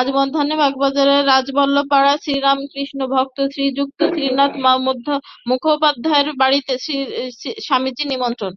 আজ মধ্যাহ্নে বাগবাজারের রাজবল্লভপাড়ায় শ্রীরামকৃষ্ণ-ভক্ত শ্রীযুক্ত প্রিয়নাথ মুখোপাধ্যায়ের বাড়ীতে স্বামীজীর নিমন্ত্রণ।